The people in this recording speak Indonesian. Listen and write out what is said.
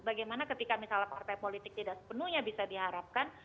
bagaimana ketika misalnya partai politik tidak sepenuhnya bisa diharapkan